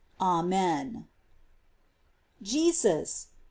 Amen. Jesus.